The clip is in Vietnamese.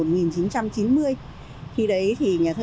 khi đấy thì nhà thơ nguyễn thị mai